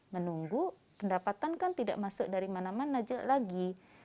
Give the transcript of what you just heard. menunggu pendapatan kan tidak masuk dari mana mana lagi